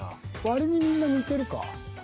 割にみんな似てるか。